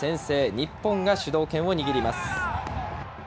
日本が主導権を握ります。